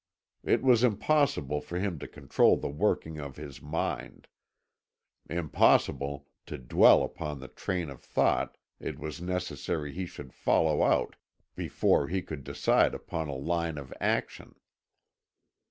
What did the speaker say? It was impossible for him to control the working of his mind; impossible to dwell upon the train of thought it was necessary he should follow out before he could decide upon a line of action.